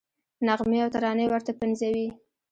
نغمې او ترانې ورته پنځوي.